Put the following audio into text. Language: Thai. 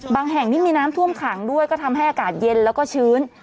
แห่งนี้มีน้ำท่วมขังด้วยก็ทำให้อากาศเย็นแล้วก็ชื้น